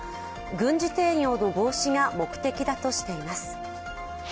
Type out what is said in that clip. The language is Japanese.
軍事転用の防止が目的だとしています。